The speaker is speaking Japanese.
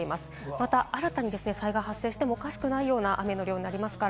また新たに災害が発生してもおかしくないような雨の量になります。